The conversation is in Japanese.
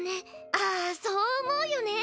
ああそう思うよね。